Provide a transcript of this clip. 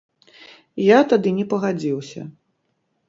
Я тады не пагадзіўся.